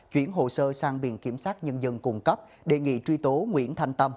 chuyển hồ sơ sang viện kiểm sát nhân dân cung cấp đề nghị truy tố nguyễn thanh tâm